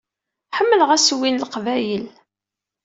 Ḥemmleɣ assewwi n Leqbayel.